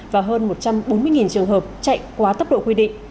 và hơn một trăm bốn mươi trường hợp chạy quá tốc độ quy định